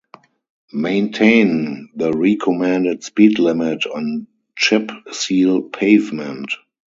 Maintain the recommended speed limit on chip seal pavement.